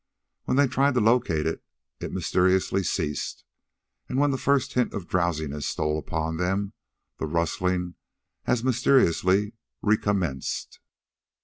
When they tried to locate it, it mysteriously ceased, and when the first hint of drowsiness stole upon them the rustling as mysteriously recommenced.